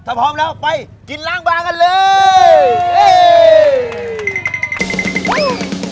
ถ้าพร้อมแล้วไปกินล้างบางกันเลย